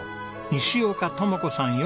西岡智子さん